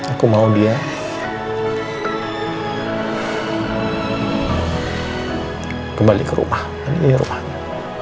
aku mau dia kembali ke rumah ini rumahnya